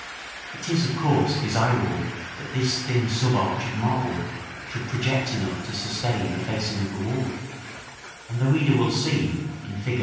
It is of course desirable that this thin sub arch of marble should project enough to sustain the facing of the wall; and the reader will see, in Fig.